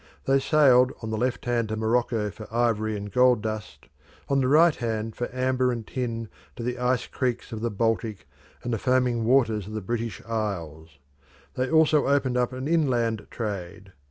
They sailed on the left hand to Morocco for ivory and gold dust, on the right hand for amber and tin to the ice creeks of the Baltic and the foaming waters of the British Isles. They also opened up an inland trade.